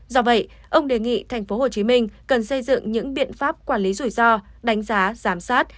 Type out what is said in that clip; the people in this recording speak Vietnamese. do vậy ông đề nghị thành phố hồ chí minh cần xây dựng những biện pháp quản lý rủi ro đánh giá giám sát